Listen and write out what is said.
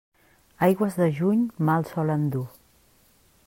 Aigües de juny mal solen dur.